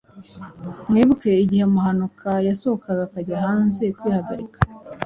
Mwibuke igihe Muhanuka yasohokaga akajya hanze kwihagarika,